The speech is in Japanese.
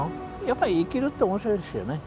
やっぱり生きるって面白いですよね。